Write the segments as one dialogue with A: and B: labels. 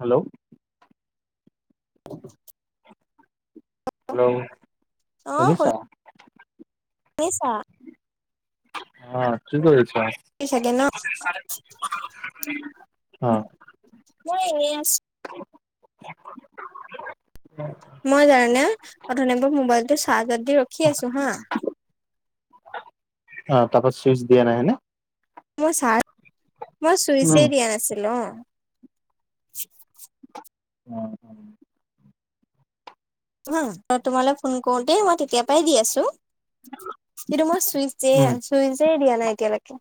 A: Hello?
B: [inaudible]
A: Hello,
B: অ
A: শুনিছা?
B: শুনিছা?
A: অ' কি কৰিছা?
B: চাগে ন?
A: অ
B: মই এনে আছো।
A: [inaudible]
B: মই জানানে অঠনিৰে পৰা মোবাইলটো চাৰ্জত দি ৰখি আছো হা'।
A: অ' তাৰপৰা চুইচ দিয়া নাই হয়নে?
B: মই
A: উম
B: চুইচেই দিয়া নাছিলো অ'।
A: উম।
B: তোমালৈ ফোন কৰোতেই মই তেতিয়াৰ পৰাই দি আছো। কিন্তু মই চুইচেই
A: উম
B: চুইচেই দিয়া নাই এতিয়ালৈকে।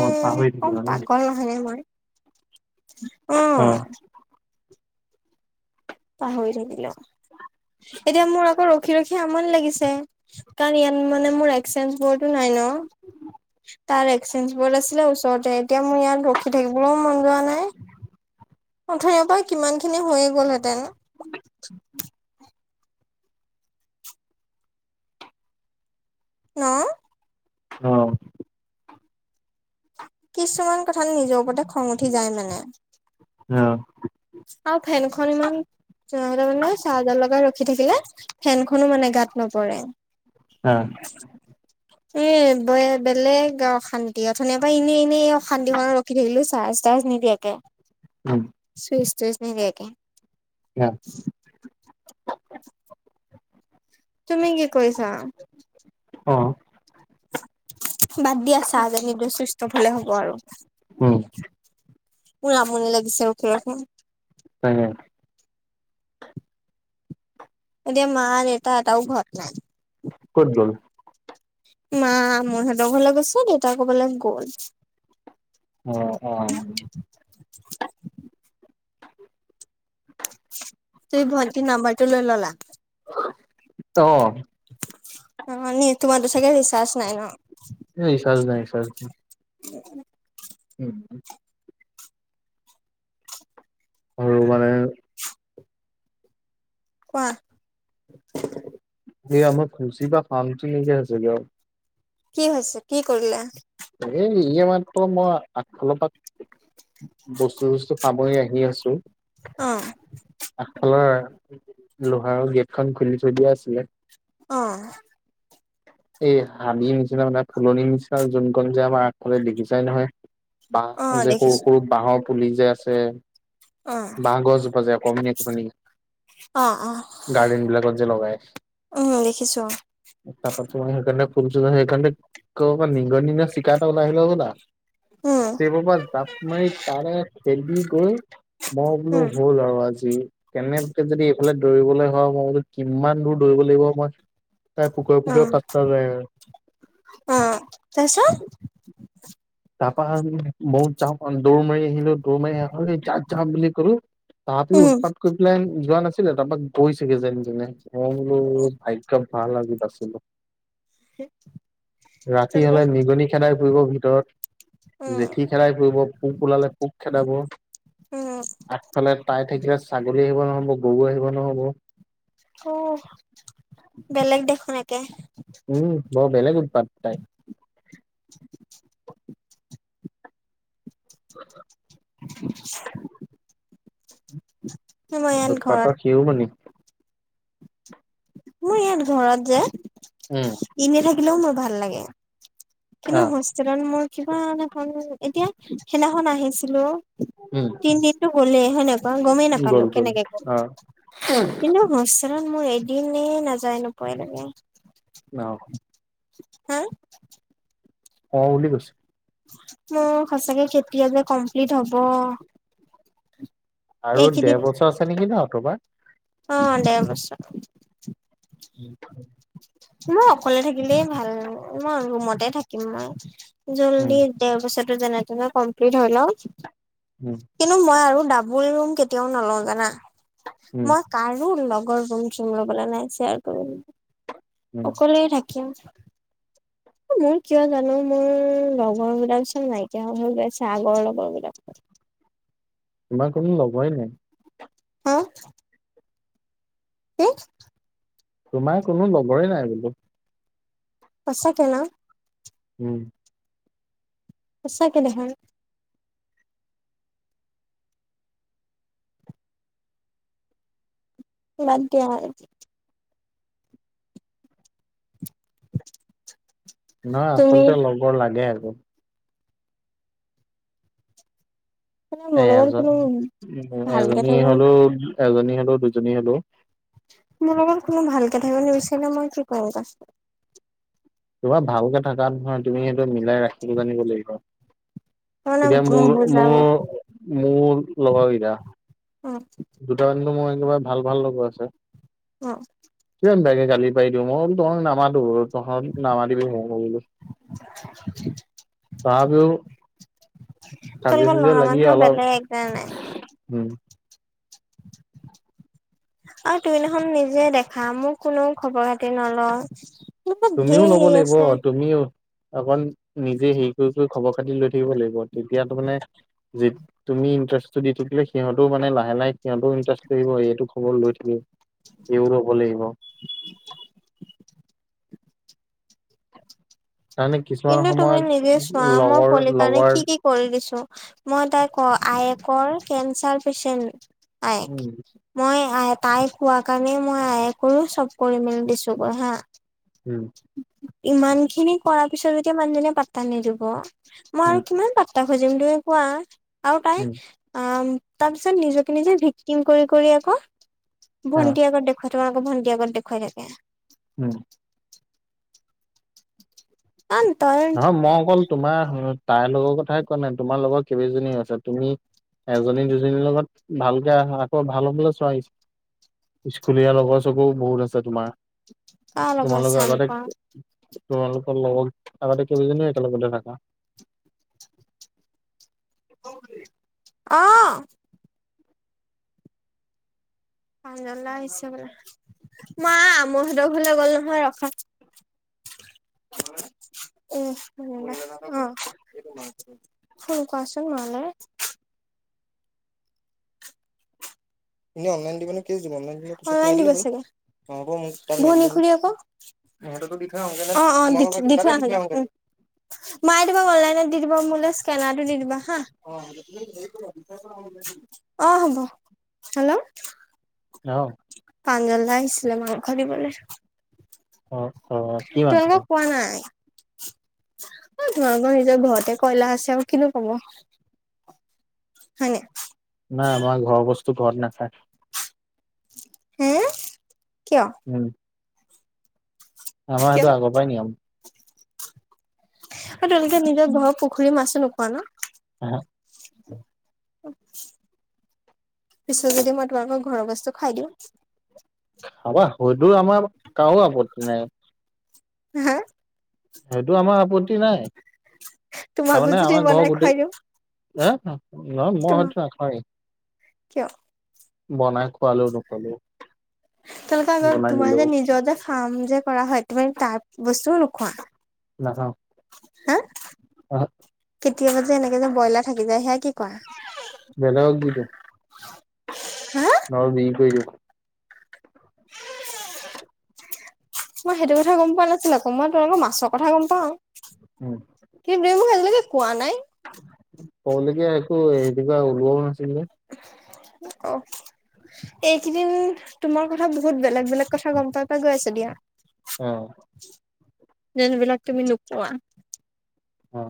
A: অ পাহৰি
B: কম
A: থাকিলা নেকি
B: পাগল নহয় নে মই?
A: অ'
B: পাহৰি থাকিলো। এতিয়া মোৰ আকৌ ৰখি ৰখি আমনি লাগিছে, কাৰণ ইয়াত মানে মোৰ এক্সচেঞ্জ বোৰ্ডও নাই ন? তাৰ এক্সেঞ্জ বৰ্ড আছিলে ওচৰতে, এতিয়া মোৰ ইয়াত ৰখি থাকিবলৈও মন যোৱা নাই। অঠনিৰে পৰা কিমানখিনি হৈয়ে গ'লহেঁতেন। ন?
A: অ'
B: কিছুমান কথাত নিজৰ ওপৰতে খং উঠি যায় মানে।
A: অ'
B: আৰু ফেনখন ইমান মানে চাৰজত লগাই ৰখি থাকিলে ফেনখনো মানে গাত নপৰে
A: হা
B: এ বে বেলেগ আৰু অশান্তি অথনিৰে পৰা এনেই এনেই অশান্তিখনত ৰখি থাকিলো চাই। চাৰ্জ নিদিয়াকে।
A: [inaudible]
B: চুইছ টুইছ নিদিয়াকে।
A: না
B: তুমি কি কৰিছা?
A: অ
B: বাদ দিয়া চাৰ্জ আহি গৈ চুইছ অফ হলে হ'ব আৰু।
A: উম।
B: পুৰা আমনি লাগিছে ৰখি ৰখি।
A: তাকে।
B: এতিয়া মা দেতা এটাও ঘৰত নাই।
A: ক'ত গল?
B: মা মুহেতৰ ঘৰলৈ গৈছে, দেতা কবালৈ গ'ল।
A: অ অ।
B: তুমি ভন্টিৰ নাম্বাৰ টো লৈ ললা?
A: অ।
B: অ এনেই তোমাৰ তো চাগে ৰিচাৰ্জ নাই ন?
A: এ ৰিচাৰ্জ নাই ৰিচাৰ্জ নাই।
B: [inaudible]
A: [inaudible] আৰু মানে
B: [unintelligible] কোৱা?
A: এই আমাৰ খুচি পা শান্তি নাইকিয়া হৈছেগে আওঁ।
B: কি হৈছে, কি কৰিলে?
A: এই ইয়ে মাত্ৰ মই আগফালৰ পা বস্তু বস্তু সামৰি আহি আছো।
B: অহ।
A: আগফালৰ লোহাৰৰ গেট খন খুলি থৈ দিয়া আছিলে।
B: অহ।
A: এই হাবিৰ নিচিনা মানে ফুলনি নিছিনা যোনকন যে আমাৰ আগফালে দেখিপাই নহয়,
B: অ
A: বাঁহ যে সৰু
B: দেখিছো
A: সৰু বাঁহৰ পুলি যে আছে।
B: অ
A: বাঁহ গছজোপা যে অকমানি অকমানি।
B: অ অ
A: গাৰ্ডেনবিলাকত যে লগায়।
B: উম দেখিছো
A: তাপা তোমাৰ সেইকাৰণে ফুলচুলৰ সেইকাৰে কৰবাৰ পৰা নিগনি নে চিকা এটা ওলাই আহিলে হবলা।
B: উম
A: ইষ্টেপপা জাপ মাৰি তাৰে থেলি গৈ মই বোলো
B: উম
A: হল আৰু আজি। কেনেবাকে যদি এইফালে দৌৰিবলৈ হয় মই বোলো কিমান দূৰ দৌৰিব লাগিব মই তাই পোকৰে
B: অ
A: পোকৰে পাতা নাই আৰু।
B: অ তাৰপিছত?
A: তাপা ভাবিলোঁ মইও জাপ আও দৌৰ মাৰি আহিলো দৌৰ মাৰি আহি ঐ যা যা বুলি কলো। তাহাতিও
B: উম
A: উৎপাত কৰি পেলাই যোৱা নাছিলে তাপা গৈছেগে যেন তেনে। মই বোলো ভাগ্য ভাল আজি বাছিলো।
B: হে
A: ৰাতি হলে নিগনি খেদাই ফুৰিব ভিতৰত।
B: উম
A: জেঠী খেদাই ফুৰিব পোক ওলালে পোক খেদাব।
B: উম
A: আগফালে তাই থাকিলে ছাগলী আহিব নহব গৰু আহিব নহব।
B: অ, বেলেগ দেখোন একে।
A: উম, বৰ বেলেগ উৎপাত তাইৰ। [unintelligible]
B: মই এইয়াত ঘৰত।
A: শিউমনি
B: মোৰ ইয়াত ঘৰত যে
A: উম
B: এনেই থাকিলেও মোৰ ভাল লাগে। কিন্তু
A: আহ
B: হোষ্টেলত মোৰ কিবা এ এখন এতিয়া সেইদিনাখন আহিছিলোঁ,
A: উম
B: তিনদিনটো গ'লেই সেনেকুৱা গমেই নাপালো কেনেকে গ'ল। কিন্তু
A: [unintelligible]
B: হোষ্টেলত মোৰ এদিনেই নাযায় নোপোৱ লাগে।
A: অ।
B: হা?
A: অ বুলি কৈছে।
B: মোৰ সঁচাকে কেতিয়া যে কমপ্লিট হব!
A: আৰু
B: এইকেইদিন
A: দেৰ বছৰ আছে নেকি ন তোমাৰ?
B: অ দেৰ বছৰ।
A: [unintelligible]
B: মই অকলে থাকিলেই ভাল, মই ৰুমতে থাকিম মই
A: উম
B: জল্দি দেৰবছৰটো যেনে তেনে কমপ্লিট হৈ লওক
A: উম।
B: কিন্তু মই আৰু ডাবুল ৰুম কেতিয়াও নলওঁ জানা,
A: উম
B: মই কাৰো লগৰ ৰুম চুম ল'বলে নাই ছেয়াৰ কৰিবলে নাই
A: উম,
B: অকলেই থাকিম।
A: [unintelligible]
B: মোৰ কিয় জানো মোৰ লগৰ বিলাকচোন নাইকিয়া হৈ হৈ গৈ আছে আগৰ লগৰ বিলাক।
A: তোমাৰ কোনো লগৰে নাই।
B: হা? কি?
A: তোমাৰ কোনো লগৰে নাই বোলো।
B: সঁচাকে ন?
A: উম।
B: সঁচাকে দেখোন। বাদ দিয়া আৰু।
A: নহয়
B: তুমি
A: আচলতে লগৰ লাগে আক।
B: মানে
A: এ
B: মোৰ লগত
A: এজন
B: কোনো ভালকে
A: এজনী
B: থাকিব
A: হলো এজনী হলো দুজনী হলো
B: মোৰ লগত কোনো ভালকে থাকিব নিবিচাৰিলে মই কি কৰিম ক চোন
A: তোমাৰ ভালকে থাকাত নহয় তুমি সেইটো মিলাই ৰাখিব জানিব লাগিব।
B: মানে
A: এতিয়া
B: উম
A: মোৰ
B: বুজাব
A: মোৰ মোৰ লগৰকেইটা
B: অ।
A: দুটা মানটো মই একেবাৰে ভাল ভাল লগৰ আছে।
B: অ।
A: কিমান বেয়াকে গালি পাৰি দিওঁ, মই বোলো তহঁতক নামাতো তহঁত নামাতিবি মোক [unintelligible] তথাপিও
B: [inaudible] তোমালোকৰ
A: কাজিয়া চাজিয়া
B: ল'ৰা
A: লাগি
B: মানুহ
A: অলপ
B: বেলেগ জানা নাই!
A: উম।
B: আৰু তুমি দেখোন নিজে দেখা মোক কোনেও খবৰ-খাতি নলয়। এনেকুৱা
A: তুমিও
B: ধেৰ
A: ল'ব
B: হেৰি
A: লাগিব,
B: আছে
A: তুমিও অকন নিজে হেই কৰি কৰি খবৰ খাতি লৈ থাকিব লাগিব, তেতিয়াতো মানে যি তুমি ইণ্টাৰেষ্টটো দি থাকিলে সিহঁও মানে লাহে লাহে সিহঁত ইটাৰেষ্ট আহিব, এইটো খবৰ লৈ থাকে। এইৰো ল'ব লাগিব। তাৰমানে কিছুমান
B: কিন্তু তুমি
A: সময়ত
B: নিজে চোৱা মোৰ
A: লগৰ
B: পলিৰ কাৰণে
A: লগৰ
B: কি কি কৰি দিছো, মই তাই ক আইেকৰ কেঞ্চাৰ পেচেন্ট। আয়েক।
A: উম
B: মই আ তাই কোৱা কাৰণে, মই আয়েকৰো চব কৰি মেলি দিছো গৈ হা।
A: উম।
B: ইমান খিনি কৰ পিছত যেতিয়া মানুহজনীয়ে পাতা নিদিব। মই
A: উম
B: আৰু কিমান পাট্তা খুজিম তুমি কোৱা? আৰু তাই
A: উম
B: অ', তাৰ পিছত নিজকে নিজে ভিক্তিম কৰি কৰি আকৌ
A: অ
B: ভণ্টি আগত দেখ খুৱাই তোমালোকৰ ভণ্টি আগত দেখুৱাই থাকে।
A: উম।
B: আন তই
A: নহয় মই অকল তোমাৰ তাইৰ লগৰ কথাই কোৱা নাই, তোমাৰ লগৰ কেইবজনীও আছে, তুমি এজনী দুজনীৰ লগত ভালকে আকৌ ভাল হ'বলৈ চোৱা। স্কুলীয়া লগৰ-চগৰো বহুত আছে তোমাৰ,
B: কাৰ লগত
A: তোমালোকৰ
B: চাম ক
A: আগতে তোমালোকৰ লগত আগতে কেইবজনোও একেলগতে থাকা।
B: অ'। পাঞ্জল দা আহিছে বোলে, মা আমৌহঁতৰ ঘৰলে গ'ল নহয় ৰখা। [unintelligible] ফোন কৰাচোন মা লে। এনেই অনলাইন দিব নে কেছ দিব? নলাইন দিলে মোক আ [unintelligible] অ অুৱ [unintelligible] মায়ে তোমাক অনলাইনত দি দিব মোলৈ স্কেনাৰটো দি দিবা হা। অ', হ'ব। হেল্ল'?
A: অ'।
B: পাঞ্জলদা আহিছিলে মাংস দিবলৈ।
A: অ'। অ কি মাংস
B: তোমালোকক কোৱা নাই, তোমলোকৰ নিজৰ ঘৰতে কয়লা আছে আৰু কিনো ক'ব। হয় নে?
A: নাই আমাৰ ঘৰৰ বস্ত ঘৰত নাখায়।
B: হে, কিয়?
A: উম। আমাৰ
B: কিয়
A: সেইটো আগৰ পাই নিয়ম।
B: আৰু তোমালোকে নিজৰ ঘৰৰ পুখুৰী মাছো নোখোৱা ন'?
A: অহ
B: [inaudible] পিছত যদি মই তোমালোকৰ ঘৰৰ বস্তু খাই দিওঁ?
A: খাবা হয়তো আমাৰ কাৰো আপত্তি নাই।
B: [unintelligible]
A: সেইটো আমাৰ আপত্তি নাই,
B: তোমাকো
A: তাৰমানে
B: যদি
A: আমাৰ ঘৰ
B: বনাই
A: গোটেই
B: খুৱাই দিওঁ
A: হা? নহয় মই
B: তোমা
A: সেইটো নাখাৱেই।
B: কিয়?
A: বনাই খোৱাল
B: [unintelligible]
A: বনাই
B: তোমাৰ
A: দিলেও
B: যে নিজৰ যে কাম যে কৰা হয় তুমি তাৰ বস্তুও নোখোৱা?
A: নাখাওঁ।
B: হা!
A: আহ
B: কেতিয়াবা যে এনেকে যে ব্ৰইলাৰ থাকি যায় সেয়া কি কৰা?
A: বেলেগক দি দিও।
B: হা
A: নহল বিক্ৰী কৰি দিও।
B: মই সেইটো কথা গম পোৱা নাছিলো আকৌ মই তোমালোকৰ মাছৰ কথা গম পাও।
A: উম।
B: কিন তেওঁ মোক আজিলৈকে কোৱা নাই?
A: ক'লৈকে একো সেনেকুৱা ওলোৱাও নাছিল যে।
B: অ। এইকেইদিন তোমাৰ কথা বহুত বেলেগ - বেলেগ কথা গম পাই পাই গৈ আছো দিয়া।
A: অ।
B: যেনবিলাক তুমি নোপোৱা।
A: অহ।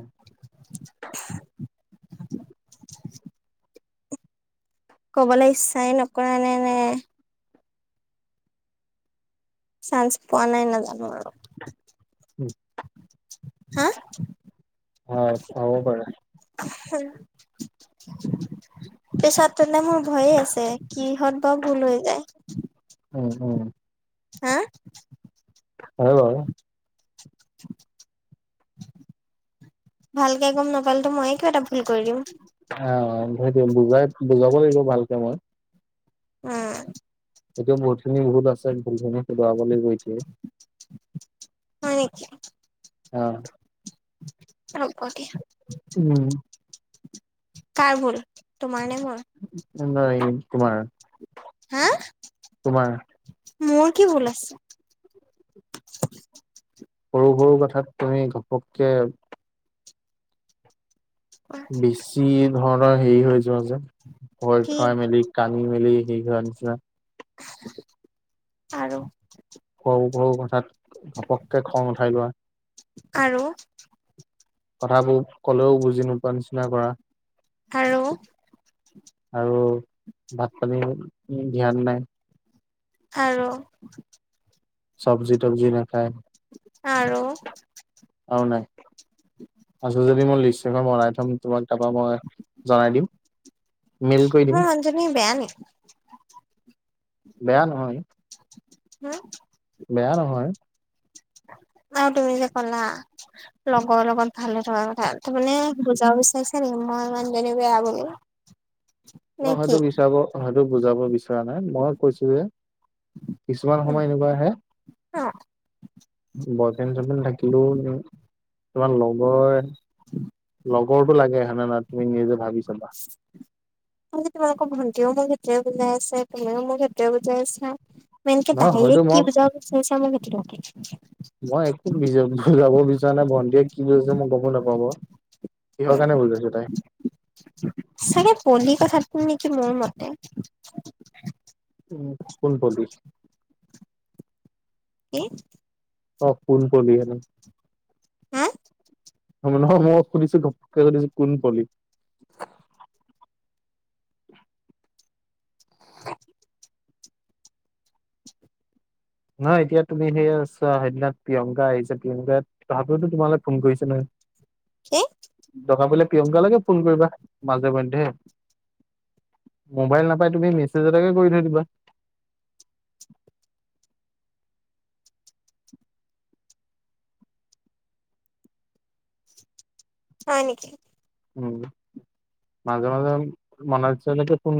B: ক'বলৈ ইচ্ছাই নকৰা নে নে চান্স পোৱা নাই নাজানো আৰু।
A: [inaudible]
B: হা?
A: হয় পাবো পাৰে।
B: [unintelligible] পেছাত তেনে মোৰ ভয়ে আছে, কিহত বাৰু ভুল হৈ যায়?
A: উম উম।
B: হা?
A: হয় বাৰু।
B: ভালকে গম নাপালোতো মই কিবা এটা ভুল কৰি দিম।
A: অ অ সেইটো বুজাই বুজাব লাগিব ভালকে মই।
B: উম।
A: এইটো বহুতখিনি ভুল আছে, ভুলখিনি শুধৰাব লাগিব এতিয়া।
B: হয় নেকি?
A: অ।
B: এ হব দিয়া।
A: উম।
B: কাৰ ভুল? তোমাৰ নে ভুল?
A: [unintelligible] তোমাৰ।
B: হা!
A: তোমাৰ
B: মোৰ কি ভুল আছে?
A: সৰু সৰু কথাত তুমি ঘপককে,
B: হয়
A: বেছি ধৰণৰ হেৰি হৈ যোৱা যে ভয়
B: কি
A: খাই মেলি, কানি মেলি সেইদিনাৰ নিচিনা।
B: আৰু
A: সৰু সৰু কথাত ঘপককে খং উঠাই লোৱা।
B: আৰু
A: কথাবোৰ ক'লেও বুজি নোপোৱা নিচিনা কৰা।
B: আৰু
A: আৰু ভাত পানী ধ্যান নাই।
B: আৰু
A: চব্জি তবজি নাখায়।
B: আৰু
A: আৰু নাই আছে যদি মই লিষ্ট এখন বনাই থ'ম। তোমাক তাৰপৰাই মই জনাই দিম মেইল কৰি দিম।
B: মোৰ মানুহজনী বেয়া নি
A: বেয়া নহয়।
B: হা?
A: বেয়া নহয়।
B: অ তুমি যে কলা। লগৰ লগত ভালে থকা কথা তাৰ মানে বুজাব বিচাৰিছা নেকি মই মানুহজনী বেয়া বুলি। নে
A: মই হয়তো
B: কি
A: বিচাৰ হয়তো বুজাব বিচৰা নাই মই কৈছো যে, কিছুমান
B: অ
A: সময় এনেকুৱা আহে। বয়ফ্ৰেণ্ড চয়ফ্ৰেণ্ড থাকিলো তোমাৰ লগৰ,
B: [inaudible]
A: লগৰটো লাগে হয় নাই তুমি নিজে ভাবি ছাবা।
B: তোমালোকৰ ভণ্টিও মোক সেইটোয়ে বুজাই আছে, তুমিও মোক সেইটোয়ে বুজাই আছা। মেইনকে
A: নহয় হয়তো
B: দাইৰেক্ত
A: মই
B: কি বুজাব বিছাৰিছা মোক সেইটো লাগে।
A: মই একো বি বৌজাব বিচৰা নাই ভণ্টিয়ে কি কইছে মই গম নাপাও বাউ, কিহৰ কাৰণ বুজছো তাই?
B: চাগে পলি কথাটো নেকি মোৰ মতে?
A: উম কোন পলি?
B: কি?
A: অ কোন কলি হেনো।
B: হা?
A: নহয় মই সুধিছো তোক সুধিছিলো কোন পলি। [inaudible] নহয় এতিয়া তুমি সেই আছ, সেইদিনা প্ৰিয়ংকা আহিছে প্ৰিয়ংকা। তথাপিও তো তোমালে ফোন কৰিছে নহয় সিহতি।
B: কি?
A: দৰকাৰ পৰিলে প্ৰিয়ংকালৈকে ফোন কৰিবা মাজে মধ্যে। মোবাইল নাপাই তুমি মেছেজ এটাকে কৰি থৈ দিবা।
B: হয় নেকি?
A: উম মাজে মাজে মনৰ ইচ্ছা যায় ফোন!